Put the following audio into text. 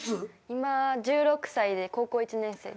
今１６歳で高校１年生です。